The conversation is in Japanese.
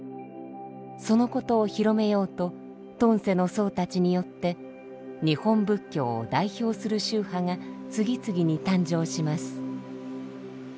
そのことを広めようと遁世の僧たちによって日本仏教を代表する宗派が次々に誕生します。